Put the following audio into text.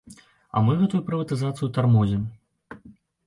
А мы гэтую прыватызацыю тармозім.